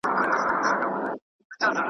او لا تر اوسه له پېړیو له سدیو وروسته .